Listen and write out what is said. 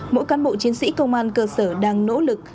mỗi cán bộ chiến sĩ công an cơ sở đang nỗ lực